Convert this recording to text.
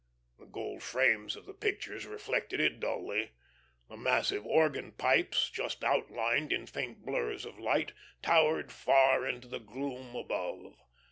The gold frames of the pictures reflected it dully; the massive organ pipes, just outlined in faint blurs of light, towered far into the gloom above.